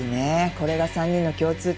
これが３人の共通点。